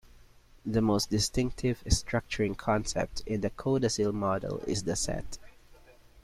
The most distinctive structuring concept in the Codasyl model is the set.